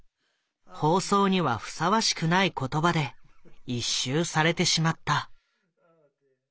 放送にはふさわしくない言葉で一蹴されてしまった。